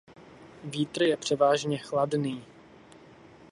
Vítr je převážně chladný.